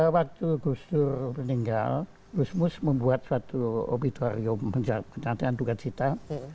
waktu gusdur meninggal gusmus membuat suatu obitorium penantian tugacita